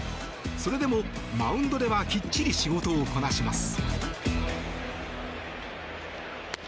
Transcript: それでもマウンドではきっちり仕事をこなします。